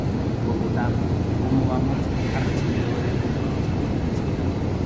Bogotá Cómo Vamos ha recibido varios reconocimientos.